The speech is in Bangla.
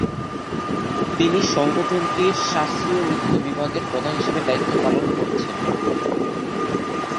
তিনি সংগঠনটির শাস্ত্রীয় নৃত্য বিভাগের প্রধান হিসেবে দায়িত্ব পালন করছেন।